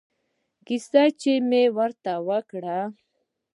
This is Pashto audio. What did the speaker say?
کيسه چې مې ورته وکړه.